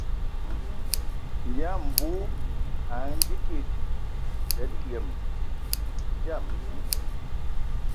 Nyia Mvu a ndzi kig tǝdǝ yǝm e dzam dí.